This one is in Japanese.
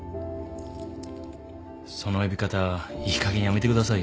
その呼び方いいかげんやめてくださいよ